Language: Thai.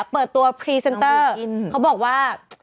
เปิดตัวพรีเซนเตอร์เขาบอกว่า